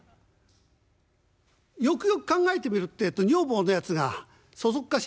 よくよく考えてみるってえと女房のやつがそそっかしい。